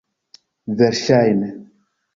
verŝajne